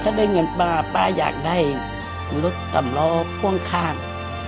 ถ้าได้เงินป้าป้าอยากได้รถสำล้อพ่วงข้าง